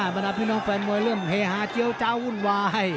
บรรดาพี่น้องแฟนมวยเริ่มเฮฮาเจี๊ยวเจ้าวุ่นวาย